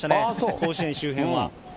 甲子園周辺は。